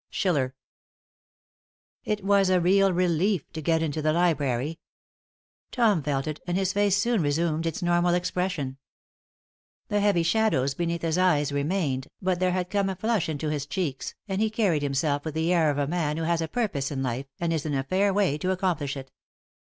SCHILLER. It was a real relief to get into the library. Tom felt it, and his face soon resumed its normal expression. The heavy shadows beneath his eyes remained, but there had come a flush into his cheeks, and he carried himself with the air of a man who has a purpose in life and is in a fair way to accomplish it.